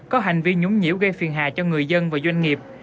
có hành vi nhúng nhiễu gây phiền hại cho người dân và doanh nghiệp